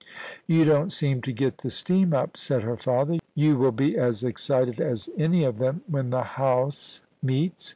* You don't seem to get the steam up,' said her father. * You will be as excited as any of them when the House I40 POUCY AND PASSIOX. meets.